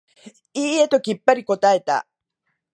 いいえ、ときっぱり答えた。